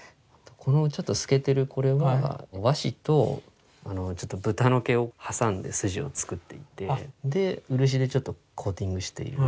このちょっと透けてるこれは和紙と豚の毛を挟んで筋を作っていてで漆でちょっとコーティングしている。